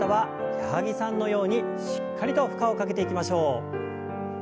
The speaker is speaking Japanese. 矢作さんのようにしっかりと負荷をかけていきましょう。